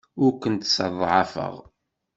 Ur kent-sseḍɛafeɣ.